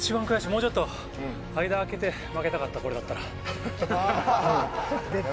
もうちょっと間あけて負けたかった、これなら。